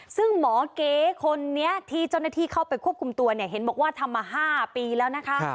ซึ่งหมอเก๋คนนี้ที่เจ้าหน้าที่เข้าไปควบคุมตัวเนี่ยเห็นบอกว่าทำมา๕ปีแล้วนะคะ